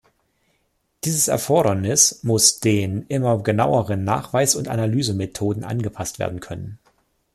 Dieses Erfordernis muss den immer genaueren Nachweis- und Analysemethoden angepasst werden können.